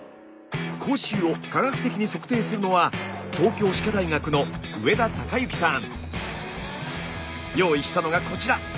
口臭を科学的に測定するのは用意したのがこちら。